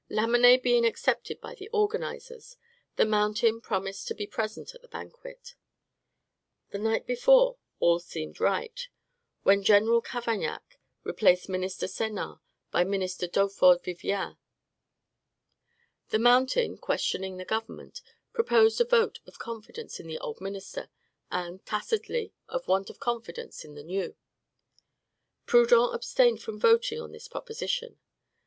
Lamennais being accepted by the organizers, the Mountain promised to be present at the banquet. The night before, all seemed right, when General Cavaignac replaced Minister Senart by Minister Dufaure Vivien. The Mountain, questioning the government, proposed a vote of confidence in the old minister, and, tacitly, of want of confidence in the new. Proudhon abstained from voting on this proposition.